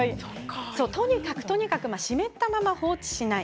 とにかく湿ったまま放置しない。